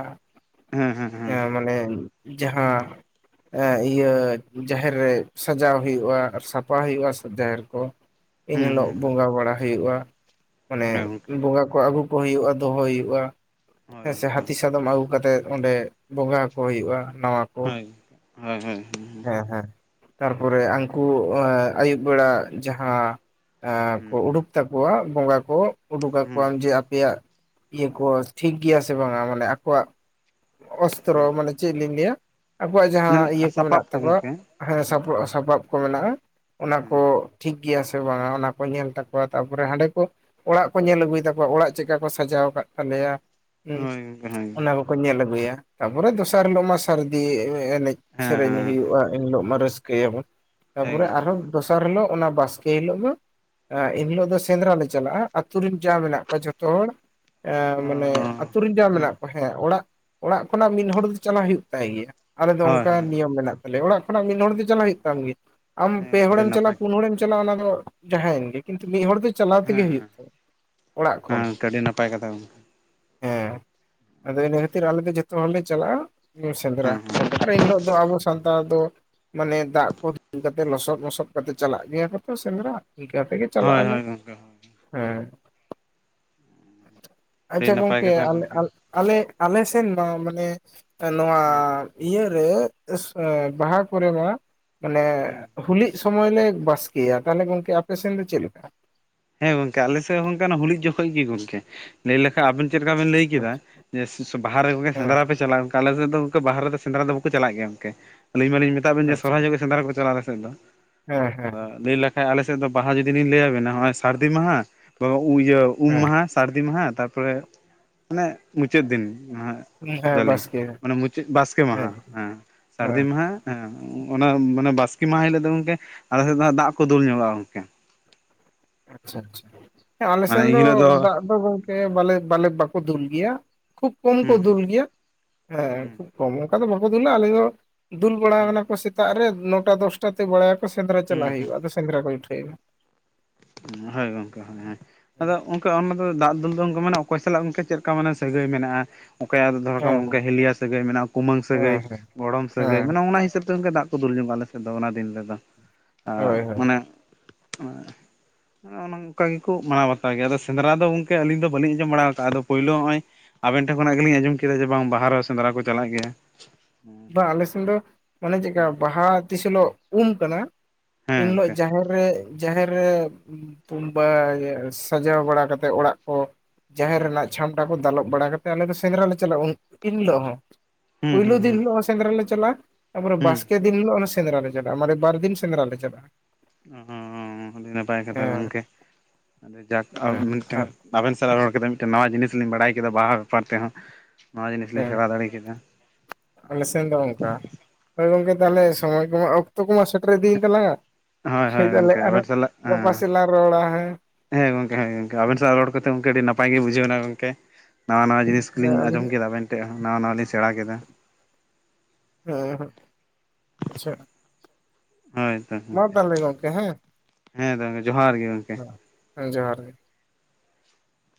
ᱦᱮᱸ ᱦᱮᱸ ᱢᱟᱱᱮ ᱡᱟᱦᱟᱸ ᱤᱭᱟᱹ ᱡᱟᱦᱮᱨ ᱨᱮ ᱥᱟᱡᱟᱣ ᱦᱩᱭᱩᱜ-ᱟ ᱟᱨ ᱥᱟᱯᱷᱟ ᱦᱩᱭᱩᱜ-ᱟ ᱡᱟᱦᱮᱨ ᱠᱚ᱾ ᱮᱱ ᱦᱮᱸ ᱦᱤᱞᱳᱜ ᱦᱮᱸ ᱵᱚᱸᱜᱟ ᱵᱟᱲᱟ ᱦᱩᱭᱩᱜ-ᱟ ᱢᱟᱱᱮ ᱦᱮᱸ ᱜᱚᱝᱠᱮ ᱵᱚᱸᱜᱟ ᱟᱹᱜᱩ ᱠᱚ ᱦᱩᱭᱩᱜ-ᱟ ᱫᱚᱦᱚ ᱦᱩᱭᱩᱜ-ᱟ ᱦᱳᱭ ᱦᱮᱸ ᱥᱮ ᱜᱚᱝᱠᱮ ᱦᱟᱹᱛᱤ ᱥᱟᱫᱚᱢ ᱟᱹᱜᱩ ᱠᱟᱛᱮᱜ ᱚᱸᱰᱮ ᱵᱚᱸᱜᱟ ᱠᱚ ᱦᱩᱭᱩᱜ-ᱟ ᱱᱟᱣᱟ ᱠᱚ ᱦᱳᱭ ᱦᱳᱭ ᱦᱳᱭ᱾ ᱦᱮᱸ ᱦᱮᱸ ᱛᱟᱨᱯᱚᱨᱮ ᱩᱱᱠᱩ ᱟᱹᱭᱩᱵ ᱵᱮᱲᱟ ᱡᱟᱦᱟᱸ ᱮᱸ ᱠᱚ ᱦᱩᱸ ᱩᱰᱩᱠ ᱛᱟᱠᱚᱣᱟ ᱵᱚᱸᱜᱟ ᱠᱚ ᱩᱰᱩᱠ ᱦᱩᱸ ᱟᱠᱚᱣᱟᱜ ᱡᱮ ᱟᱯᱮᱭᱟᱜ ᱤᱭᱟᱹ ᱠᱚ ᱴᱷᱤᱠ ᱜᱮᱭᱟ ᱥᱮ ᱵᱟᱝᱟ ᱢᱟᱱᱮ ᱟᱠᱚᱣᱟᱜ ᱚᱥᱛᱨᱚ ᱦᱩᱸ ᱢᱟᱱᱮ ᱪᱮᱫ ᱞᱤᱧ ᱞᱟᱹᱭᱟ ᱟᱵᱚᱣᱟᱜ ᱡᱟᱦᱟᱸ ᱢᱟᱱᱮ ᱤᱭᱟᱹ ᱠᱚ ᱢᱮᱱᱟᱜ ᱥᱟᱯᱟᱵ ᱛᱟᱠᱚᱣᱟ ᱜᱚᱝᱠᱮ ᱦᱮᱸ ᱥᱟᱯ ᱥᱟᱯᱟᱯ ᱠᱚ ᱢᱮᱱᱟᱜᱼᱟ᱾ ᱚᱱᱟ ᱠᱚ ᱴᱷᱤᱠ ᱜᱮᱭᱟ ᱥᱮ ᱵᱟᱝᱟ ᱚᱱᱟ ᱠᱚ ᱧᱮᱞ ᱛᱟᱠᱚᱣᱟ ᱛᱟᱨᱯᱚᱨᱮ ᱦᱟᱸᱰᱮ ᱠᱚ᱾ ᱚᱲᱟᱜ ᱠᱚ ᱧᱮᱞ ᱟᱹᱜᱩᱭ ᱛᱟᱠᱚᱣᱟ ᱚᱲᱟᱜ ᱪᱮᱫᱠᱟ ᱠᱚ ᱥᱟᱡᱟᱣ ᱟᱠᱟᱫ ᱛᱟᱞᱮᱭᱟ᱾ ᱦᱮᱸ ᱦᱳᱭ ᱜᱚᱝᱠᱮ ᱦᱳᱭ ᱚᱱᱟ ᱠᱚᱠᱚ ᱧᱮᱞ ᱟᱹᱜᱩᱭᱟ ᱛᱟᱯᱚᱨᱮ ᱫᱚᱥᱟᱨ ᱦᱤᱞᱚᱜ ᱢᱟ᱾ ᱥᱟᱹᱨᱫᱤ ᱮᱱᱮᱡ ᱦᱮᱸ ᱥᱮᱨᱮᱧ ᱦᱮᱸ ᱦᱮᱸ ᱦᱩᱭᱩᱜᱼᱟ᱾ ᱦᱤᱞᱚᱜ ᱢᱟ ᱨᱟᱹᱥᱠᱟᱹᱭᱟᱵᱚᱱ ᱦᱮᱸ ᱛᱟᱨᱯᱚᱨᱮ ᱜᱚᱝᱠᱮ ᱟᱨᱦᱚᱸ ᱮᱠᱫᱚᱢ ᱫᱚᱥᱟᱨ ᱦᱤᱞᱳᱜ ᱚᱱᱟ ᱵᱟᱥᱠᱮ ᱦᱤᱞᱳᱜ ᱢᱟ᱾ ᱮᱱ ᱦᱤᱞᱳᱜ ᱫᱚ ᱥᱮᱸᱫᱽᱨᱟ ᱞᱮ ᱪᱟᱞᱟᱜᱼᱟ ᱟᱹᱛᱩ ᱨᱮᱱ ᱡᱟ ᱢᱮᱱᱟᱜ ᱠᱚᱣᱟ ᱡᱷᱚᱛᱚ ᱦᱚᱲ ᱮ ᱢᱟᱱᱮ ᱚ ᱟᱹᱛᱩ ᱨᱮᱱ ᱡᱟ ᱢᱮᱱᱟᱜ ᱠᱚᱣᱟ ᱦᱮᱸ ᱚᱲᱟᱜ ᱚᱲᱟᱜ ᱠᱷᱚᱱᱟᱜ ᱢᱤᱫ ᱦᱚᱲ ᱫᱚ ᱪᱟᱞᱟᱜ ᱦᱩᱭᱩ ᱛᱟᱭ ᱜᱮᱭᱟ᱾ ᱟᱞᱮ ᱫᱚ ᱦᱳᱭ ᱚᱱᱠᱟ ᱦᱳᱭ ᱱᱤᱭᱚᱢ ᱢᱮᱱᱟᱜ ᱛᱟᱞᱮᱭᱟ ᱚᱲᱟᱜ ᱠᱷᱚᱱᱟᱜ ᱢᱤᱫ ᱦᱚᱲ ᱫᱚ ᱪᱟᱞᱟᱜ ᱦᱩᱭᱩᱜ ᱛᱟᱢ ᱜᱮᱭᱟ ᱟᱢ ᱯᱮ ᱦᱮᱸ ᱟᱹᱰᱤ ᱦᱚᱲᱮᱢ ᱱᱟᱯᱟᱭ ᱪᱟᱞᱟᱜᱼᱟ ᱯᱩᱱ ᱠᱟᱛᱷᱟ ᱦᱮᱸ ᱦᱚᱲᱮ ᱪᱟᱞᱟᱣ ᱚᱱᱟ ᱫᱚ ᱡᱟᱦᱟᱸᱭᱮᱱ ᱜᱮ ᱠᱤᱱᱛᱩ ᱢᱤᱫ ᱦᱚᱲ ᱫᱚ ᱪᱟᱞᱟᱣ ᱛᱮᱜᱮ ᱦᱩᱭᱩᱜ ᱦᱮᱸ ᱛᱟᱭᱟ ᱚᱲᱟᱜ ᱦᱮᱸ ᱠᱷᱚᱱ ᱜᱚᱝᱠᱮ ᱟᱹᱰᱤ ᱱᱟᱯᱟᱭ ᱠᱟᱛᱷᱟ ᱜᱚᱝᱠᱮ ᱦᱮᱸ ᱟᱫᱚ ᱤᱱᱟᱹ ᱠᱷᱟᱹᱛᱤᱨ ᱟᱞᱮ ᱫᱚ ᱡᱷᱚᱛᱚ ᱦᱚᱲᱞᱮ ᱪᱟᱞᱟᱜᱼᱟ᱾ ᱥᱮᱸᱫᱽᱨᱟ ᱦᱮᱸ ᱟᱨ ᱮᱱ ᱦᱤᱞᱳᱜ ᱫᱚ ᱟᱵᱚ ᱥᱟᱱᱛᱟᱲ ᱫᱚ ᱢᱟᱱᱮ ᱫᱟᱜ ᱠᱚ ᱫᱩᱞ ᱠᱟᱛᱮ ᱞᱚᱥᱚᱫ ᱢᱚᱥᱚᱫ ᱠᱟᱛᱮᱫ ᱪᱟᱞᱟᱜ ᱜᱮᱭᱟ ᱠᱚ ᱛᱚ ᱥᱮᱸᱫᱽᱨᱟ ᱤᱱᱠᱟ ᱛᱮᱜᱮ ᱪᱟᱞᱟᱜ ᱦᱳᱭ ᱟᱞᱮ ᱦᱳᱭ ᱜᱚᱝᱠᱮ ᱦᱮᱸ ᱟᱹᱰᱤ ᱟᱪᱪᱷᱟ ᱱᱟᱯᱟᱭ ᱜᱚᱢᱠᱮ ᱠᱟᱛᱷᱟ ᱟᱞᱮ ᱜᱚᱝᱠᱮ ᱦᱮᱸ ᱟᱞ ᱟᱞᱮ ᱟᱞᱮ ᱥᱮᱱ ᱵᱟᱝ ᱢᱟᱱᱮ ᱱᱚᱣᱟ ᱦᱮᱸ ᱤᱭᱟᱹᱨᱮ [unintelligible] ᱵᱟᱦᱟ ᱠᱚᱨᱮ ᱢᱟ ᱢᱟᱱᱮ ᱜᱚᱝᱠᱮ ᱦᱩᱞᱤᱜ ᱥᱚᱢᱚᱭ ᱞᱮ ᱵᱟᱥᱠᱮᱭᱟ ᱛᱟᱦᱚᱞᱮ ᱜᱚᱝᱠᱮ ᱟᱯᱮᱥᱮᱱ ᱫᱚ ᱪᱮᱫ ᱞᱮᱠᱟ? ᱦᱮᱸ ᱜᱚᱝᱠᱮ ᱟᱞᱮ ᱥᱮᱫ ᱦᱚᱸ ᱦᱚᱞᱤᱜ ᱡᱚᱠᱷᱚᱱ ᱜᱮ ᱜᱚᱝᱠᱮ ᱞᱟᱹᱭ ᱞᱮᱠᱷᱟᱱ ᱟᱵᱮᱱ ᱪᱮᱫᱠᱟ ᱵᱮᱱ ᱞᱟᱹᱭ ᱠᱮᱫᱟ ᱡᱮ ᱵᱟᱦᱟ ᱨᱮᱜᱮ ᱦᱮᱸ ᱥᱮᱸᱫᱽᱨᱟ ᱯᱮ ᱪᱟᱞᱟᱜ ᱟᱞᱮ ᱨᱮᱫ ᱫᱚ ᱜᱚᱝᱠᱮ ᱵᱟᱦᱟ ᱨᱮ ᱫᱚ ᱥᱮᱫᱽᱨᱟ ᱫᱚ ᱵᱟᱠᱚ ᱪᱟᱞᱟᱜ ᱜᱮᱭᱟ ᱜᱚᱝᱠᱮ ᱟᱹᱞᱤᱧ ᱢᱟᱞᱤᱧ ᱢᱮᱱ ᱢᱮᱛᱟᱜ ᱵᱮᱱ ᱡᱮ ᱟᱪᱪᱷᱟ ᱥᱚᱨᱦᱟᱭ ᱡᱚᱠᱷᱮᱡ ᱥᱮᱸᱫᱽᱟ ᱠᱚ ᱪᱟᱞᱟᱜᱼᱟ ᱟᱞᱮᱥᱮᱜ ᱫᱚ ᱦᱮᱸ ᱦᱮᱸ ᱞᱟᱹᱭ ᱞᱮ ᱠᱷᱟᱡ ᱟᱞᱮᱥᱮᱜ ᱫᱚ ᱵᱟᱦᱟ ᱡᱩᱫᱤ ᱞᱤᱧ ᱞᱟᱮᱭᱟᱵᱮᱱᱟ ᱦᱚᱜᱼᱚᱭ ᱥᱟᱹᱨᱫᱤ ᱢᱟᱦᱟ ᱵᱟ ᱩᱸᱤᱭᱟᱹ ᱩᱢ ᱦᱮᱸ ᱢᱟᱦᱟ ᱥᱟᱹᱨᱫᱤ ᱢᱟᱦᱟ ᱛᱟᱨᱯᱚᱨᱮ ᱢᱟᱱᱮ ᱢᱩᱪᱟᱹᱫ ᱫᱤᱱ [unintelligible] ᱦᱮᱸ ᱡᱟᱞᱮ ᱵᱟᱥᱠᱮ ᱢᱟᱱᱮ ᱢᱩᱪᱟᱹᱜ ᱵᱟᱥᱠᱮ ᱢᱟᱦᱟ ᱦᱮᱸ ᱥᱟᱹᱨᱫᱤ ᱦᱮᱸ ᱢᱟᱦᱟ ᱦᱮᱸ ᱚᱱᱟ ᱢᱟᱱᱮ ᱵᱟᱥᱠᱮ ᱢᱟᱦᱟ ᱦᱤᱞᱳᱜ ᱫᱚ ᱜᱚᱝᱠᱮ ᱟᱞᱮ ᱥᱮᱜ ᱫᱚ ᱫᱟᱜ ᱠᱚ ᱫᱩᱞ ᱧᱚᱜᱚᱜᱼᱟ ᱜᱚᱝᱠᱮ᱾ ᱟᱪᱪᱷᱟ ᱟᱪᱪᱷᱟ ᱟᱞᱮ ᱢᱟᱱᱮ ᱥᱮᱱ ᱫᱚ ᱮᱱᱦᱤᱞᱳᱜ ᱫᱟᱜ ᱫᱚ ᱜᱚᱝᱠᱮ ᱵᱟᱞᱮ ᱵᱟᱞᱮ ᱵᱟᱠᱚ ᱫᱩᱞ ᱜᱮᱭᱟ᱾ ᱠᱷᱩᱵᱽ ᱠᱚᱢ ᱠᱚ ᱦᱩᱸ ᱫᱩᱞ ᱜᱮᱭᱟ ᱦᱮᱸ ᱦᱩᱸ ᱠᱷᱩᱵᱽ ᱠᱚᱢ ᱚᱝᱠᱟ ᱫᱚ ᱵᱟᱠᱚ ᱫᱩᱞᱟ ᱟᱞᱮ ᱫᱚ ᱫᱩᱞ ᱵᱟᱲᱟ ᱦᱩᱸ ᱠᱟᱱᱟ ᱠᱚ ᱥᱮᱛᱟᱜ ᱨᱮ ᱱᱚᱴᱟ ᱫᱚᱥᱴᱟ ᱛᱮ ᱵᱟᱲᱟᱭᱟᱠᱚ ᱥᱮᱸᱫᱽᱨᱟ ᱦᱩᱸ ᱪᱟᱞᱟᱜ ᱦᱩᱸ ᱦᱩᱭᱩᱜᱼᱟ ᱟᱫᱚ ᱥᱮᱸᱫᱽᱨᱟ ᱠᱚ ᱩᱴᱷᱟᱹᱭᱱᱟ ᱾ ᱦᱳᱭ ᱜᱚᱝᱠᱮ ᱦᱳᱭ ᱟᱫᱚ ᱠᱟ ᱚᱱᱟ ᱫᱚ ᱫᱟᱜ ᱫᱩᱞ ᱫᱚ ᱚᱝᱠᱟ ᱢᱟᱱᱮ ᱚᱠᱚᱭ ᱥᱟᱞᱟᱜ ᱜᱚᱝᱠᱮ ᱪᱮᱫᱠᱟ ᱢᱟᱱᱮ ᱥᱟᱹᱜᱟᱹᱭ ᱢᱮᱱᱟᱜᱼᱟ᱾ ᱚᱠᱚᱭᱟᱜ ᱫᱚ ᱫᱚᱦᱚ ᱠᱟᱢ ᱜᱚᱝᱠᱮ ᱦᱤᱞᱤᱭᱟ ᱥᱟᱹᱜᱟᱹᱭ ᱢᱮᱱᱟᱜᱼᱟ ᱠᱩᱢᱟᱹᱝ ᱥᱟᱹᱜᱟᱹᱭ ᱦᱮᱸ ᱦᱮᱸ ᱜᱚᱲᱚᱢ ᱥᱟᱹᱜᱟᱹᱭ ᱦᱮᱸ ᱢᱟᱱᱮ ᱚᱱᱟ ᱦᱤᱥᱟᱹᱵᱽ ᱛᱮ ᱚᱝᱠᱟ ᱫᱟᱜ ᱠᱩ ᱫᱩᱞᱧᱚᱜᱟ ᱟᱞᱮᱥᱮᱫ ᱫᱚ ᱚᱱᱟ ᱫᱤᱱ ᱨᱮᱫᱚ ᱟᱸᱜ ᱦᱳᱭ ᱦᱳᱭ ᱢᱟᱱᱮ ᱟᱸ ᱚᱱᱚᱝᱠᱟ ᱜᱮᱠᱚ ᱢᱟᱱᱟᱣ ᱵᱟᱛᱟᱣ ᱜᱮᱭᱟ ᱟᱫᱚ ᱥᱮᱸᱫᱽᱨᱟ ᱫᱚ ᱜᱚᱝᱠᱮ ᱟᱹᱞᱤᱧ ᱫᱚ ᱵᱟᱞᱤᱧ ᱟᱸᱚᱢ ᱵᱟᱲᱟᱣ ᱠᱟᱜᱼᱟ ᱟᱫᱚ ᱯᱳᱭᱞᱳ ᱦᱚᱜᱼᱚᱭ ᱟᱵᱮᱱ ᱴᱷᱮᱱ ᱠᱷᱚᱱᱟᱜ ᱜᱮᱞᱤᱧ ᱟᱸᱡᱚᱢ ᱠᱮᱫᱟ ᱡᱮ ᱵᱟᱝ ᱵᱟᱦᱟ ᱨᱮᱦᱚ ᱥᱮᱸᱫᱽᱨᱟ ᱠᱚ ᱪᱟᱞᱟᱜ ᱜᱮᱭᱟ᱾ ᱵᱟ ᱟᱞᱮ ᱥᱮᱱ ᱫᱚ ᱢᱟᱱᱮ ᱪᱮᱜᱠᱟ ᱵᱟᱦᱟ ᱛᱤᱥ ᱦᱤᱞᱳᱜ ᱩᱢ ᱠᱟᱱᱟ ᱦᱮᱸ ᱦᱮᱸ ᱮᱱᱦᱤᱞᱳᱜ ᱜᱚᱝᱠᱮ ᱡᱟᱦᱮᱨ ᱠᱚᱨᱮᱜ ᱡᱟᱦᱮᱨ ᱨᱮ ᱛᱩᱢ ᱵᱟᱜᱮ ᱥᱟᱡᱟᱣ ᱵᱟᱲᱟ ᱠᱟᱛᱮᱜ ᱚᱲᱟᱜ ᱠᱚ ᱡᱟᱦᱮᱨ ᱦᱮᱸ ᱨᱮᱱᱟᱜ ᱪᱷᱟᱢᱰᱟ ᱠᱚ ᱫᱟᱞᱚᱵ ᱵᱟᱲᱟ ᱠᱟᱛᱮᱜ ᱟᱞᱮ ᱫᱚ ᱥᱮᱸᱫᱽᱨᱟ ᱞᱮ ᱪᱟᱞᱟᱜᱼᱟ ᱩᱱ ᱤᱱ ᱦᱤᱞᱳᱜ ᱦᱚᱸ ᱦᱩᱸ ᱯᱩᱭᱞᱩ ᱦᱩᱸ ᱫᱤᱱ ᱦᱳ ᱥᱮᱸᱫᱽᱨᱟ ᱞᱮ ᱪᱟᱞᱟᱜᱼᱟ ᱛᱟᱯᱚᱨᱮ ᱦᱩᱸ ᱵᱟᱥᱠᱮ ᱫᱤᱱ ᱦᱤᱞᱳᱜ ᱚᱱᱮ ᱥᱮᱸᱫᱽᱨᱟ ᱞᱮ ᱪᱟᱞᱟᱜᱼᱟ ᱢᱟᱱᱮ ᱵᱟᱨ ᱫᱤᱱ ᱥᱮᱸᱫᱽᱨᱟ ᱞᱮ ᱪᱟᱞᱟᱜᱼᱟ᱾ ᱚ ᱟᱹᱰᱤ ᱱᱟᱯᱟᱭ ᱠᱟᱛᱷᱟ ᱦᱮᱸ ᱜᱚᱝᱠᱮ ᱟᱹᱰᱤ ᱡᱟᱠ ᱦᱮᱸ ᱢᱤᱫᱴᱮᱝ ᱟᱨ ᱟᱵᱮᱱ ᱥᱟᱞᱟᱜ ᱨᱚᱲ ᱠᱟᱛᱮᱜ ᱢᱤᱫᱴᱮᱱ ᱱᱟᱣᱟ ᱡᱤᱱᱤᱥ ᱞᱤᱧ ᱵᱟᱲᱟᱭ ᱠᱮᱫᱟ ᱵᱟᱦᱟ ᱵᱮᱯᱟᱨ ᱛᱮᱦᱚᱸ ᱱᱚᱣᱟ ᱡᱤᱱᱤᱥ ᱦᱮ ᱞᱤᱧ ᱥᱮᱬᱟ ᱫᱟᱲᱮ ᱠᱮᱫᱟ ᱟᱞᱮ ᱥᱮᱱ ᱫᱚ ᱚᱝᱠᱟ ᱦᱳᱭ ᱜᱚᱝᱠᱮ ᱛᱟᱦᱚᱞᱮ ᱦᱳᱭ ᱥᱚᱢᱚᱭ ᱠᱚᱢᱟ ᱚᱠᱛᱚ ᱠᱚᱢᱟ ᱥᱮᱴᱮᱨ ᱤᱫᱤᱭᱮᱱ ᱛᱟᱞᱟᱝᱟ ᱦᱳᱭ ᱛᱟᱞᱦᱮ ᱜᱚᱝᱠᱮ ᱟᱨᱦᱚ ᱟᱵᱮᱱ ᱥᱟᱞᱟᱜ ᱦᱮᱸ ᱜᱟᱯᱟ ᱥ ᱛᱮᱞᱟᱝ ᱨᱚᱲᱟ ᱦᱮᱸ᱾ ᱦᱮᱸ ᱜᱚᱝᱠᱮ ᱦᱮᱸ ᱜᱚᱝᱠᱮ ᱟᱵᱮᱱ ᱥᱟᱞᱟᱜ ᱨᱚᱲ ᱠᱟᱛᱮ ᱜᱚᱝᱠᱮ ᱟᱹᱰᱤ ᱱᱟᱯᱟᱭ ᱜᱮ ᱵᱩᱡᱷᱟᱹᱭᱮᱱᱟ ᱜᱚᱝᱠᱮ ᱱᱟᱣᱟ ᱱᱟᱣᱟ ᱡᱤᱱᱤᱥ᱾ ᱦᱮᱸ ᱞᱤᱧ ᱟᱸᱡᱚᱢ ᱟᱹᱞᱤᱧ ᱠᱮᱫᱟ ᱟᱵᱮᱱ ᱴᱷᱮᱜ ᱦᱚᱸ᱾ ᱱᱟᱣᱟ ᱱᱟᱣᱟ ᱞᱤᱧ ᱥᱮᱬᱟᱸ ᱠᱮᱫᱟ᱾ ᱦᱮᱸ ᱮᱸᱦᱮᱜ ᱟᱪᱪᱷᱟ᱾ ᱦᱳᱭ ᱛᱚ ᱢᱟ ᱜᱚᱝᱠᱮ᱾ ᱛᱟᱦᱚᱞᱮ ᱜᱚᱝᱠᱮ ᱦᱮᱸ ᱦᱮᱸ ᱛᱚ ᱜᱚᱝᱠᱮ ᱡᱚᱦᱟᱨ ᱜᱮ ᱜᱚᱝᱠᱮ᱾ ᱦᱮᱸ ᱡᱚᱸᱦᱟᱨ ᱜᱮ᱾